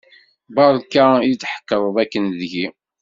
Berka i d-tḥekkreḍ akken deg-i.